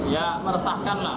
ya meresahkan lah